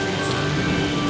dengan kaney dia dimiliki